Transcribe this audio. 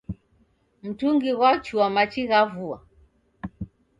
Mtungi ghwachua machi gha vua